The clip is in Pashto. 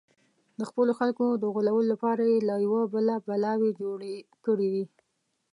د خپلو خلکو د غولولو لپاره یې له یوه بله بلاوې جوړې کړې وې.